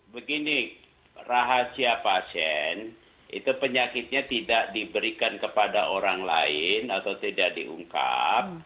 begini rahasia pasien itu penyakitnya tidak diberikan kepada orang lain atau tidak diungkap